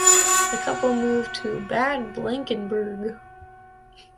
The couple moved to Bad Blankenburg.